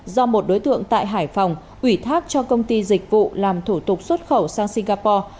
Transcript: do một đối tượng tại hải phòng ủy thác cho công ty dịch vụ làm thủ tục xuất khẩu sang singapore